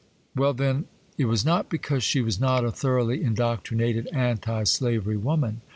Well, then, it was not because she was not a thoroughly indoctrinated anti slavery woman.